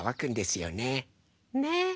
ねえ。